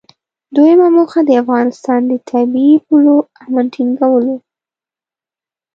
دویمه موخه د افغانستان د طبیعي پولو امن ټینګول و.